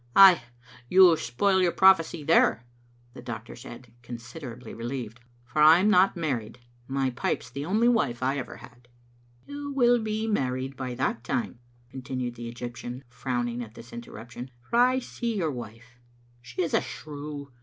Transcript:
"Ay, you spoil your prophecy there," the doctor said, considerably relieved, "for I'm not married; my pipe's the only wife I ever had." "You will be married by that time," continued the Egyptian, frowning at this interruption, " for I see your wife. She is a shrew.